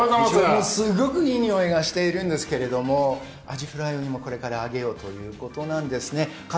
すごくいいにおいがしているんですけれども、アジフライ、今これから揚げようということなんですね。